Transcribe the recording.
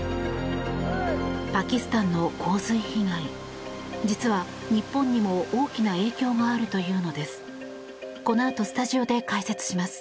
パキスタンの洪水被害実は日本にも大きな影響があるというのです。